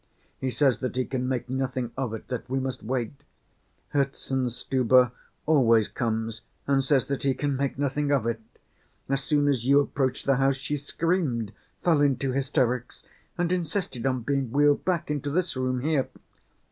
He says that he can make nothing of it, that we must wait. Herzenstube always comes and says that he can make nothing of it. As soon as you approached the house, she screamed, fell into hysterics, and insisted on being wheeled back into this room here."